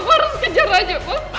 aku harus kejar raja pak